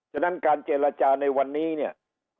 ฉะนั้นการเจรจาในวันนี้เนี่ย